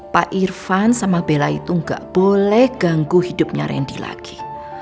pak irvan sama bella itu gak boleh ganggu hidupnya randy lagi